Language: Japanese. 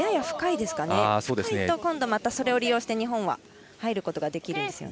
深いと今度、またそれを利用して日本は入ることができるので。